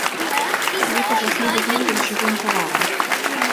Гэта жахлівы гандаль жывым таварам.